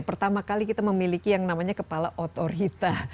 pertama kali kita memiliki yang namanya kepala otorita